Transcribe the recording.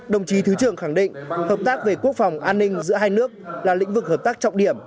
đồng chí thứ trưởng khẳng định hợp tác về quốc phòng an ninh giữa hai nước là lĩnh vực hợp tác trọng điểm